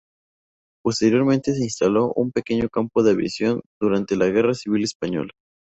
Posteriormente, se instaló un pequeño campo de aviación durante la Guerra Civil Española.